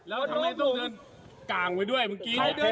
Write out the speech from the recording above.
แล้วทำไมต้องเดินกลางไปด้วย